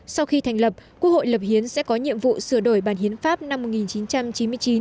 sau khi thành lập quốc hội lập hiến sẽ có nhiệm vụ sửa đổi bản hiến pháp năm một nghìn chín trăm chín mươi chín